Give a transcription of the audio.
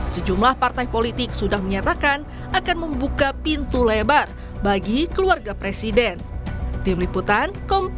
sejumlah partai politik sudah menyatakan akan membuka pintu lebar bagi keluarga presiden